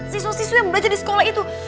siswa siswi yang belajar di sekolah itu